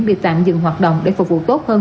bị tạm dừng hoạt động để phục vụ tốt hơn